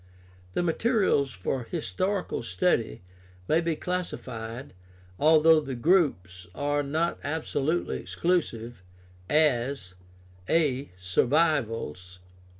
The materials for historical study may be classified (although the groups are not absolutely exclusive) as : a) Survivals.